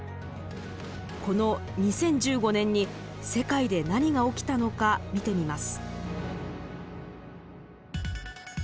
この２０１５年に世界で何が起きたのか見てみます。